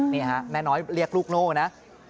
นี่ฮะแม่น้อยเรียกลูกโน่นะ